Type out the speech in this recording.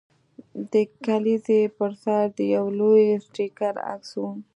د کلیزې پر سر د یو لوی سټیپلر عکس و